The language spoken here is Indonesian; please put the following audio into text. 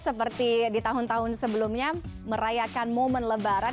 seperti di tahun tahun sebelumnya merayakan momen lebaran